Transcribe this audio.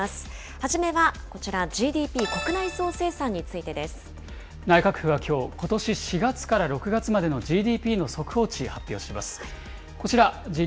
初めはこちら、内閣府はきょう、ことし４月から６月までのＧＤＰの速報値を発表します。